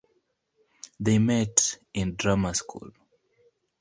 They met in drama school.